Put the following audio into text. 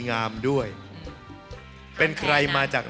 มาเยือนทินกระวีและสวัสดี